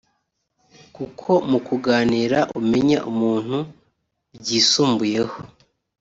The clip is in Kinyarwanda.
kuko mu kuganira umenya umuntu byisumbuyeho